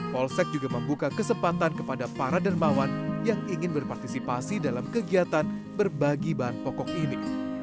polsek juga membuka kesempatan kepada para dermawan yang ingin berpartisipasi dalam kegiatan berbagi bahan pokok ini